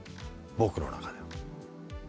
僕の中では。